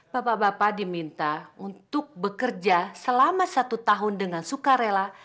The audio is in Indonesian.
bapak bapak diminta untuk bekerja selama satu tahun dengan sukarela